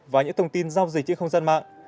và những thông tin giao dịch trên không gian mạng